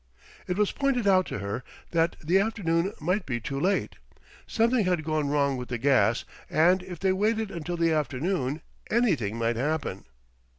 It was pointed out to her that the afternoon might be too late, something had gone wrong with the gas, and if they waited until the afternoon anything might happen.